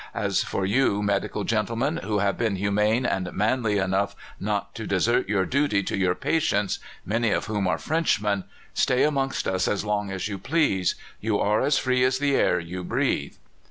As for you, medical gentlemen, who have been humane and manly enough not to desert your duty to your patients (many of whom are Frenchmen), stay amongst us as long as you please. You are as free as the air you breathe."